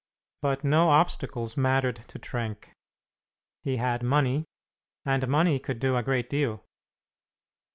But no obstacles mattered to Trenck. He had money, and money could do a great deal.